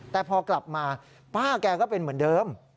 แต่พอกลับมาป้าแกก็เป็นเหมือนเดิม